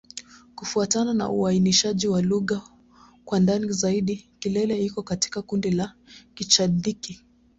Kufuatana na uainishaji wa lugha kwa ndani zaidi, Kilele iko katika kundi la Kichadiki.